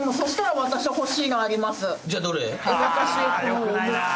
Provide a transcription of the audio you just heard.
よくないな！